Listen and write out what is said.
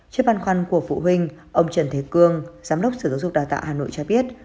trước băn khoăn của phụ huynh ông trần thế cương giám đốc sở giáo dục đào tạo hà nội cho biết